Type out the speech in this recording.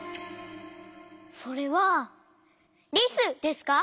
それはリスですか？